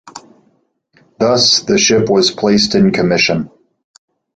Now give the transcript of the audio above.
Thus, the ship was placed in commission.